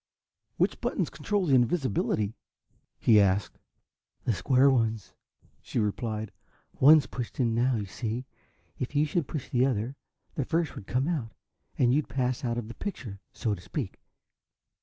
"Which buttons control the invisibility?" he asked. "The square ones," she replied. "One's pushed in now, you see. If you should push the other, the first would come out and you'd pass out of the picture, so to speak."